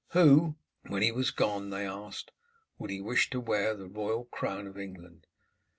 Who, when he was gone, they asked, would he wish to wear the royal crown of England?